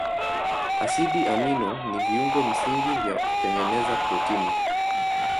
Asidi amino ni viungo msingi vya kutengeneza protini.